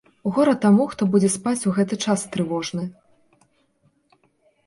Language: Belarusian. Гора таму, хто будзе спаць у гэты час трывожны!